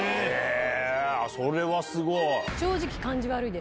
それはすごい！